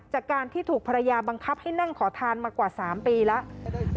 จากการที่ถูกภรรยาบังคับให้นั่งขอทานมากว่า๓ปีแล้ว